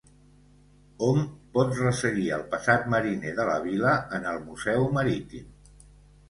Hom pot resseguir el passat mariner de la vila en el Museu Marítim.